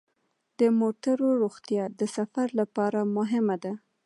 د موټرو روغتیا د سفر لپاره مهمه ده.